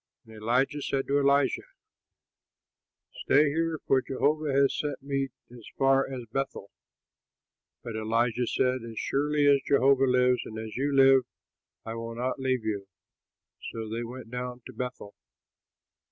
And Elijah said to Elisha, "Stay here, for Jehovah has sent me as far as Bethel." But Elisha said, "As surely as Jehovah lives and as you live, I will not leave you." So they went down to Bethel.